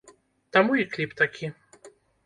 Таму і кліп такі.